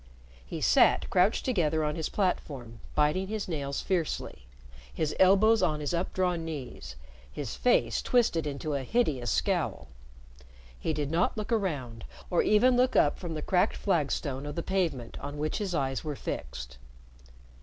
He sat crouched together on his platform biting his nails fiercely, his elbows on his updrawn knees, his face twisted into a hideous scowl. He did not look around, or even look up from the cracked flagstone of the pavement on which his eyes were fixed.